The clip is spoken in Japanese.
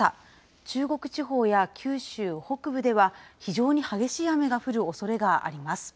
中国地方や九州北部では、非常に激しい雨が降るおそれがあります。